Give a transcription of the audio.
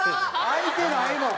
開いてないもん！